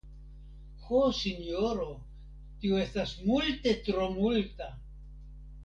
Ho, sinjoro, tio estas multe tro multa.